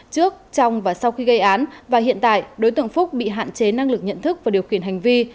trước trong và sau khi gây án và hiện tại đối tượng phúc bị hạn chế năng lực nhận thức và điều khiển hành vi